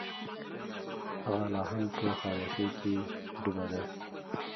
هغه لا هم په خاموشۍ کې ډوبه ده.